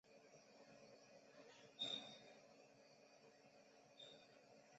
显然泡泡糖已被阴魔王附身。